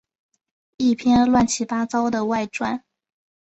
一篇乱七八糟的外传